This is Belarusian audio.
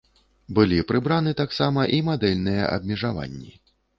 Былі прыбраны таксама і мадэльныя абмежаванні.